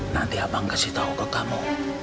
nanti abang kasih tahu ke kamu